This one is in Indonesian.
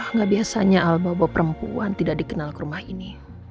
nggak biasanya al bahwa perempuan tidak dikenal ke rumah ini